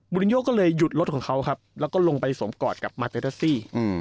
รินโยก็เลยหยุดรถของเขาครับแล้วก็ลงไปสวมกอดกับมาเตเดอร์ซี่